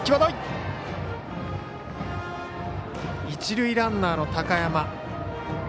一塁ランナーの高山。